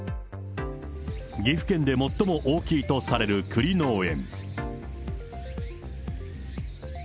岐阜県で最も大きいとされる栗農園。